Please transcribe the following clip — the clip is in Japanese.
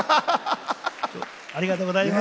ありがとうございます。